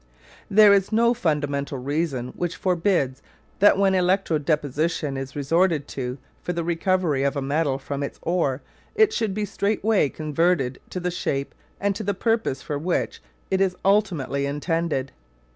There is no fundamental reason which forbids that when electro deposition is resorted to for the recovery of a metal from its ore it should be straightway converted to the shape and to the purpose for which it is ultimately intended.